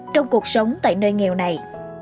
trong cuộc sống tại nơi nghèo này